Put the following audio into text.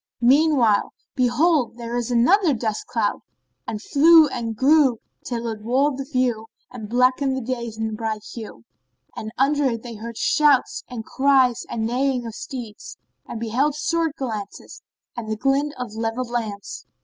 Meanwhile behold, there arose another dust cloud and flew and grew till it walled the view and blackened the day's bright hue; and under it they heard shouts and cries and neighing of steeds and beheld sword glance and the glint of levelled lance.